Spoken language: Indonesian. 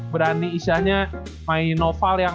berani isianya mainin noval yang